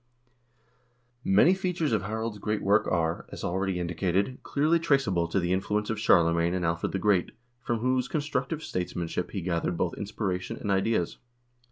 Many features of Harald's great work are, as already indicated, clearly traceable to the influence of Charlemagne and Alfred the Great, from whose constructive statesmanship he gathered both inspiration and ideas.